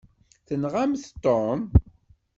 Tenɣamt Tom?